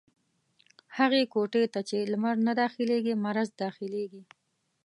هغي کوټې ته چې لمر نه داخلېږي ، مرض دا خلېږي.